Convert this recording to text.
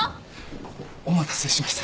お待たせしました。